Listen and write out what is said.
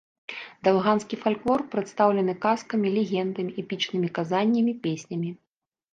Далганскі фальклор прадстаўлены казкамі, легендамі, эпічнымі казаннямі, песнямі.